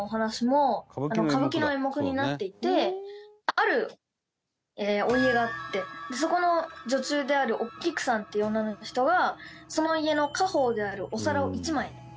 あるお家があってそこの女中であるお菊さんっていう女の人がその家の。